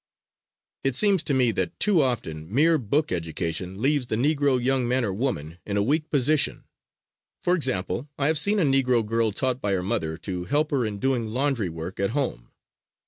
It seems to me that too often mere book education leaves the Negro young man or woman in a weak position. For example, I have seen a Negro girl taught by her mother to help her in doing laundry work at home.